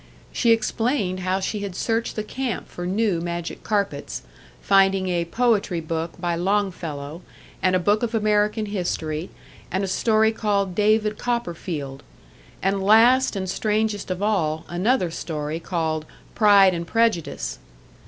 She explained how she had searched the camp for new magic carpets, finding a "poetry book" by Longfellow, and a book of American history, and a story called "David Copperfield," and last and strangest of all, another story called "Pride and Prejudice."